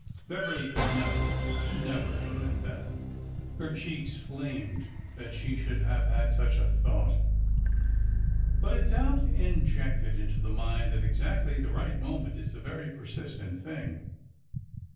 Beverly could 254 ORDER NO. 11 never, never have meant that. Her cheeks flamed that she should have had such a thought. But a doubt injected into the mind at exactly the right moment is a very persistent thing.